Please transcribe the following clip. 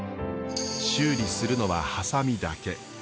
修理するのはハサミだけ。